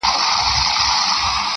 بل ته پاته سي که زر وي که دولت وي -